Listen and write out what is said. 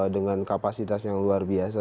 dengan kapasitas yang luar biasa